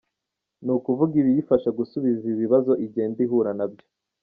Ni ukuvuga ibiyifasha gusubiza ibibazo igenda ihura nabyo.